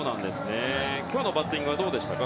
今日のバッティングはどうでしたか？